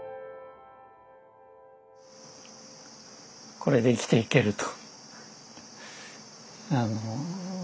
これで生きていけると。